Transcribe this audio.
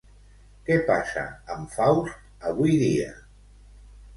Què passa amb Faust avui dia?